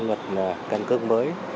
luật căn cước mới